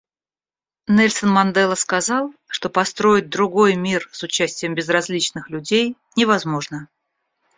Нельсон Мандела сказал, что построить другой мир с участием безразличных людей невозможно.